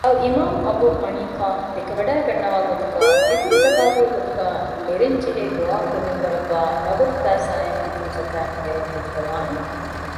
އަލްއިމާމު އަބޫޙަނީފާ ދެކެވަޑައިގަންނަވާގޮތުގައި ފިޠުރުޒަކާތުގެ ގޮތުގައި ނެރެންޖެހޭ ގޮވާމުގެ މިންވަރަށްވާ ނަޤުދު ފައިސާއިން ފިޠުރުޒަކާތް ނެރުންހުއްދަވާނެ